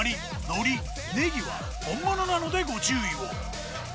のりネギは本物なのでご注意を。